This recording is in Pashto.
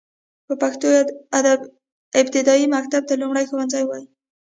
په پښتو کې ابتدايي مکتب ته لومړنی ښوونځی وايي.